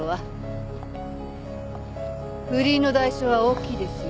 不倫の代償は大きいですよ。